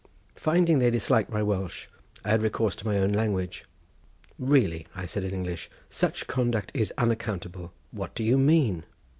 Finding they disliked my Welsh I had recourse to my own language. "Really," said I in English, "such conduct is unaccountable. What do you mean?"